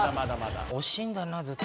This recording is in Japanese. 惜しいんだな、ずっと。